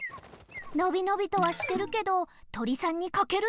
のびのびとはしてるけどとりさんにかけるのははくりょく！